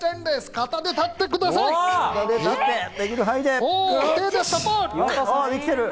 肩で立ってください。え？